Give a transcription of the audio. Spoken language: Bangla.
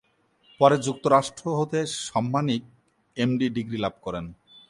পরে যুক্তরাষ্ট্র হতে সাম্মানিক এম ডি ডিগ্রি লাভ করেন।